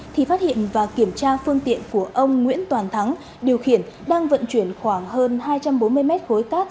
thì phát hiện và kiểm tra phương tiện của ông nguyễn toàn thắng điều khiển đang vận chuyển khoảng hơn hai trăm bốn mươi mét khối cát